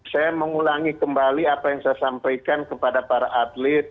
saya mengulangi kembali apa yang saya sampaikan kepada para atlet